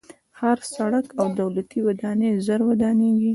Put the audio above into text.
هر سړک او دولتي ودانۍ ژر ورانېږي.